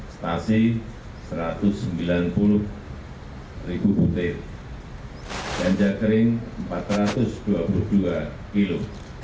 stasi satu ratus sembilan puluh ribu butir ganja kering empat ratus dua puluh dua kilo